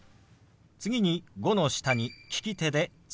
次「５」の下に利き手で「月」。